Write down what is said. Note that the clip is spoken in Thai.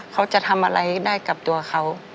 เขาจะทำอะไรได้กับตัวเขา